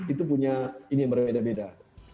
itu punya ini yang berbeda beda